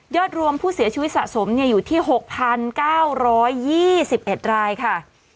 ยอดรวมผู้เสียชีวิตสะสมเนี่ยอยู่ที่หกพันเก้าร้อยยี่สิบเอ็ดรายค่ะ